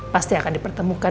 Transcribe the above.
pasti akan diatururkan